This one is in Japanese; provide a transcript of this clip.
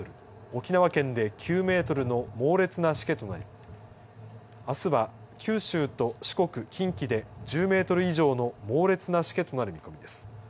沖縄県で９メートルの猛烈なしけとなりあすは九州と四国、近畿で１０メートル以上の猛烈なしけとなる見込みです。